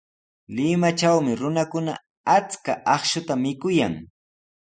Limatrawmi runakuna achka akshuta mikuyan.